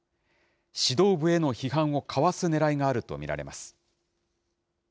指導部への批判をかわすねらいがあると見られます。